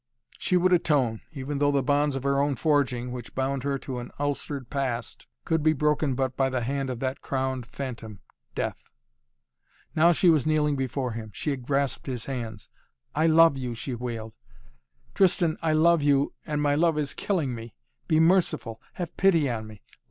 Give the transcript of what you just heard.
She would atone, even though the bonds of her own forging, which bound her to an ulcered past, could be broken but by the hand of that crowned phantom: Death. Now she was kneeling before him. She had grasped his hands. "I love you!" she wailed. "Tristan, I love you and my love is killing me! Be merciful. Have pity on me.